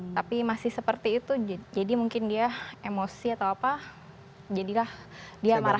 tapi masih seperti itu jadi mungkin dia emosi atau apa jadilah dia marah